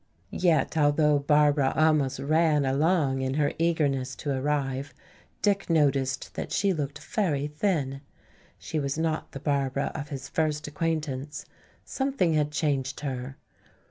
Yet although Barbara almost ran along in her eagerness to arrive, Dick noticed that she looked very thin. She was not the Barbara of his first acquaintance; something had changed her.